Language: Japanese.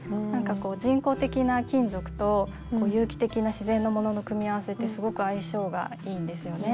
人工的な金属と有機的な自然のものの組み合わせってすごく相性がいいんですよね。